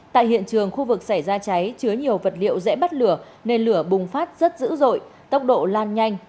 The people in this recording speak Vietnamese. tại hiện trường khu vực xảy ra cháy chứa nhiều vật liệu dễ bắt lửa nên lửa bùng phát rất dữ dội tốc độ lan nhanh